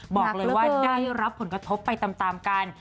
บอกเลยว่าได้รับผลกระทบไปตามกัน